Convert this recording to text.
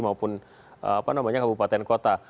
maupun kabupaten kota